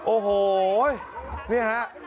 โอ้โหนี่ฮะ